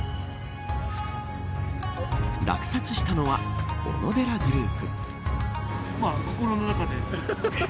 落札したのはオノデラグループ。